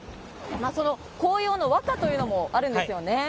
その紅葉の和歌というのもあるんですよね。